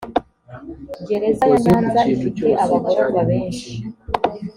gereza ya nyanza ifite abagororwa benshi.